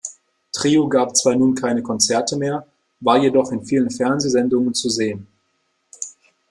Trio gab zwar nun keine Konzerte mehr, war jedoch in vielen Fernsehsendungen zu sehen.